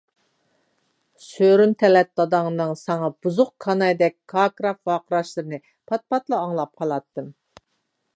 سۆرۈن تەلەت داداڭنىڭ ساڭا بۇزۇق كانايدەك كاركىراپ ۋارقىراشلىرىنى پات-پات ئاڭلاپ قالاتتىم.